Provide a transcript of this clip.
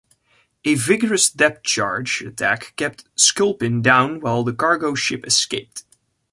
A vigorous depth charge attack kept "Sculpin" down while the cargo ship escaped.